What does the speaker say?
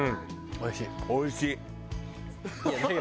おいしい。